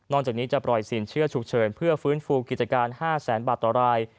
จากนี้จะปล่อยสินเชื่อฉุกเฉินเพื่อฟื้นฟูกิจการ๕แสนบาทต่อราย